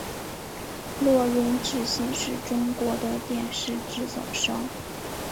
乐融致新是中国的电视制造商。